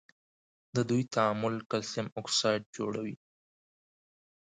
د دوی تعامل کلسیم اکساید جوړوي.